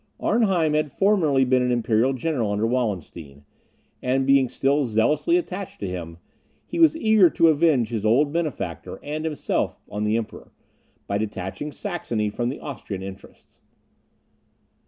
Arnheim had formerly been an imperial general under Wallenstein, and being still zealously attached to him, he was eager to avenge his old benefactor and himself on the Emperor, by detaching Saxony from the Austrian interests.